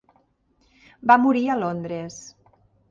Va morir a Londres.